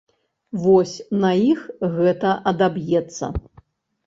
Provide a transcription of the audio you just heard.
Вось на іх гэта адаб'ецца.